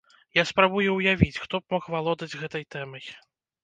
Я спрабую ўявіць, хто б мог валодаць гэтай тэмай.